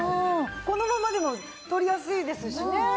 このままでも取りやすいですしね。